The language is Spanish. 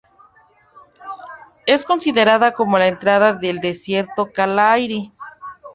Es considerada como la entrada del desierto Kalahari.